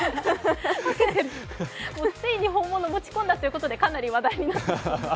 ついに本物持ち込んだということでかなり話題に。